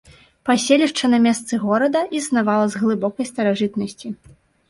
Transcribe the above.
Паселішча на месцы горада існавала з глыбокай старажытнасці.